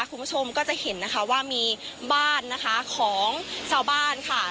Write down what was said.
คุณผู้ชมก็จะเห็นนะคะว่ามีบ้านนะคะของชาวบ้านค่ะ